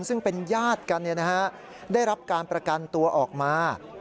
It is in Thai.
ซึ่งเป็นญาติกันได้รับการประกันตัวออกมา